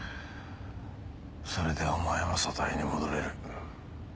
それでお前は組対に戻れる。